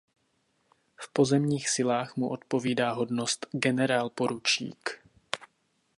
V pozemních silách mu odpovídá hodnost generálporučík.